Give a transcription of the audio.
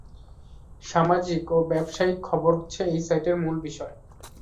সামাজিক ও ব্যবসায়িক খবর হচ্ছে এই সাইটের মূল বিষয়।